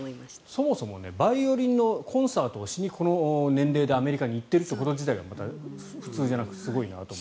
そもそもバイオリンのコンサートをしにこの年齢でアメリカに行っていること自体が普通じゃなくて、すごいなって。